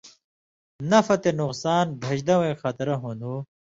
نَفع تے نُقصان بھژدہ وَیں خَطرہ ہُون٘دُوں